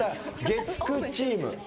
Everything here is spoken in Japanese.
月９チーム。